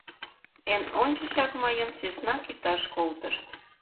Эн ончычак мыйым сӧсна кӱташ колтышт.